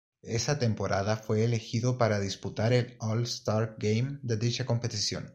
Esa temporada fue elegido para disputar el All-Star Game de dicha competición.